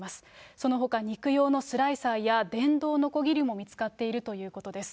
そのほか肉用のスライサーや、電動のこぎりも見つかっているということです。